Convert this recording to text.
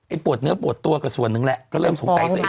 ไอ้ปวดเนื้อปวดตัวกับส่วนนึงแหละก็เริ่มสงใจตัวเองได้แหละ